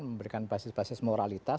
memberikan basis basis moralitas